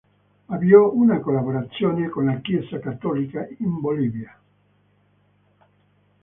Avviò una collaborazione con la Chiesa cattolica in Bolivia.